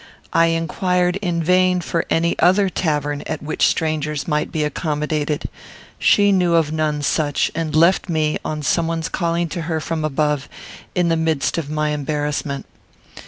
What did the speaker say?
I inquired, in vain, for any other tavern at which strangers might be accommodated. She knew of none such, and left me, on someone's calling to her from above, in the midst of my embarrassment.